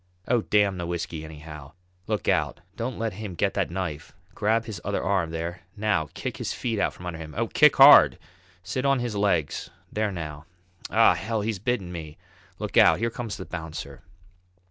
Oh, damn the whisky anyhow! Look out don't let him get that knife! Grab his other arm, there! now, kick his feet from under him! Oh, kick hard! Sit on his legs; there now. Ah! Hell! he's bitten me! Look out! here comes the bouncer!"